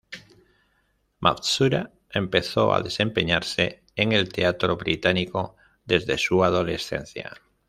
Matsuura empezó a desempeñarse en el teatro británico desde su adolescencia.